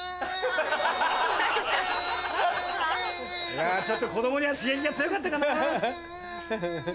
いやちょっと子供には刺激が強かったかなぁ。